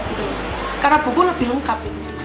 jadi kita harus mengungkapi